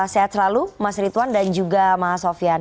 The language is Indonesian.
sehat selalu mas ritwan dan juga mas sofyan